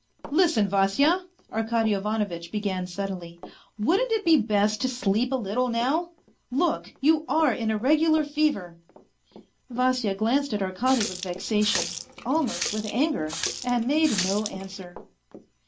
" Listen, <asya," Arkady Ivanovitch began suddenly, A FAINT HEART 175 " wouldn't it be best to sleep a little now 1 Look, you are In a regular fever." Vasya glanced at Arkady with vexation, almost with anger, and made no answer.